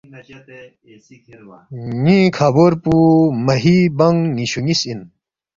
”ن٘ی کھابور پو مہی بانگ ن٘یشُو نِ٘یس اِن